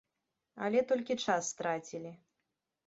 Але толькі час страцілі.